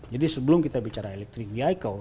jadi sebelum kita bicara elektrik di eiko